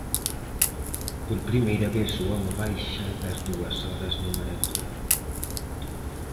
Por primeira vez o home baixa das dúas horas no maratón.